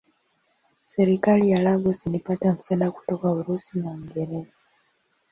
Serikali ya Lagos ilipata msaada kutoka Urusi na Uingereza.